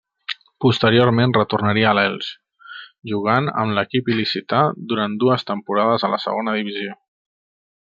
Posteriorment retornaria a l'Elx, jugant amb l'equip il·licità durant dues temporades a la Segona Divisió.